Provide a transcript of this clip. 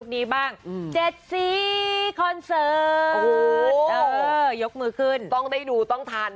ดีบ้างเจ็ดสีคอนเสิร์ตโอ้โหเออยกมือขึ้นต้องได้ดูต้องทัน